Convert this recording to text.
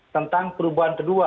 tentang perubahan kedua